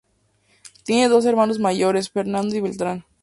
Tiene dos hermanos mayores, Fernando y Beltrán.